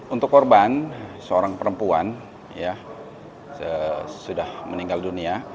untuk korban seorang perempuan sudah meninggal dunia